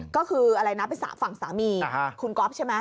ก็คือไปฝั่งสามีคุณก๊อบใช่ไหม